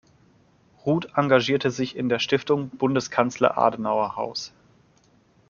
Ruth engagierte sich in der Stiftung Bundeskanzler-Adenauer-Haus.